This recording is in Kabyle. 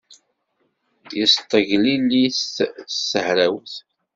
Yesṭeglelli-t s tehrawt.